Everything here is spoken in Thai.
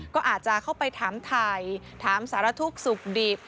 ก็อาจจะเข้าไปถามไทยถามสารทุกข์สุขดิบ